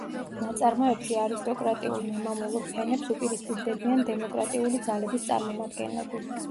ნაწარმოებში არისტოკრატიულ–მემამულურ ფენებს უპირისპირდებიან დემოკრატიული ძალების წარმომადგენლები.